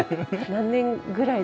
何年ぐらいで。